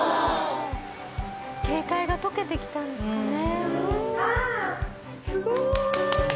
警戒が解けて来たんですかね。